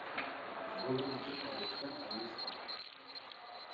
Puis revendiqué par le Front al-Nosra.